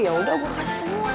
ya udah gue kasih semua